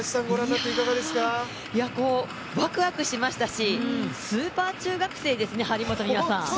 ワクワクしましたし、スーパー中学生ですね、張本美和さん。